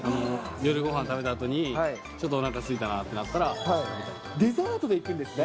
夜ごはん食べたあとに、ちょっとおなかすいたなってなったら食べデザートでいくんですね。